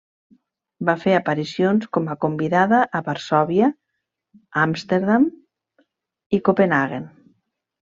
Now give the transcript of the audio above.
Va fer aparicions com a convidada a Varsòvia, Amsterdam i Copenhaguen.